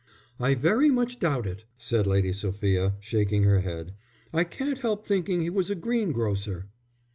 "I very much doubt it," said Lady Sophia, shaking her head. "I can't help thinking he was a green grocer."